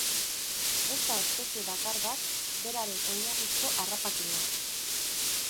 Ez da espezie bakar bat beraren oinarrizko harrapakina.